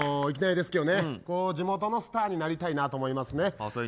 いきなりですけど地元のスターになりたいなと思いますね。